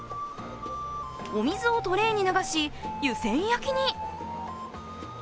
お水をトレイに流し、湯せん焼きに。